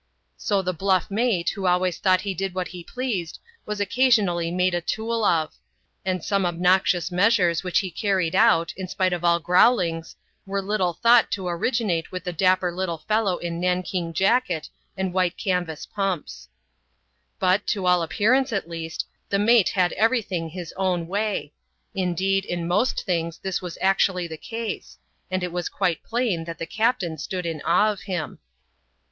So the bluff mate, who always thought he did what he pleased, was occasionally made a tool of; and some obnoxious measures which he carried out, in spite of all growl ings, were little thought to originate with the dw^^r lluk. fellow in nankeen jacket and white canvas pwnr^^. ^\yX^ \i^ ^ fi 4 8 ADVENTURES IN THE SOUTH SEAS. [chap, il jappearance, at least, the mate had every thing his own way; indeed, in most things this was actually the case ; and it was quite plain that the captain stood in awe of him.